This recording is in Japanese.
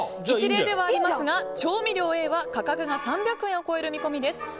一例ではありますが調味料Ａは価格が３００円を超える見込みです。